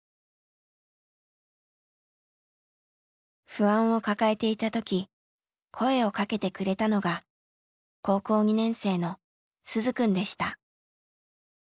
不安を抱えていた時声をかけてくれたのが高校２年生の鈴くんでした。